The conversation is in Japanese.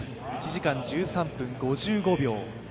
１時間１３分５５秒。